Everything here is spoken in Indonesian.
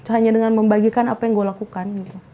hanya dengan membagikan apa yang gue lakukan